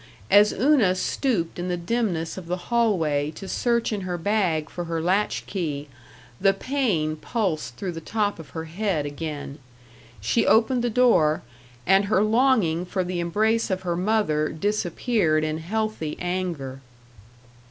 As Una stooped in the dimness of the hallway to search in her bag for her latch key, the pain pulsed through the top of her head again. She opened the door, and her longing for the embrace of her mother disappeared in healthy anger.